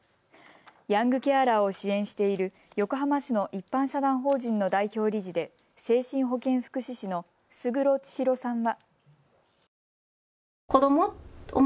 ヤングケアラーを支援している横浜市の一般社団法人の代表理事で精神保健福祉士の勝呂ちひろさんは。